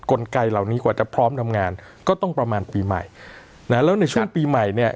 กลไกเหล่านี้กว่าจะพร้อมทำงานก็ต้องประมาณปีใหม่นะแล้วในช่วงปีใหม่เนี่ย